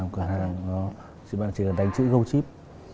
chỉ cần đánh chữ go chip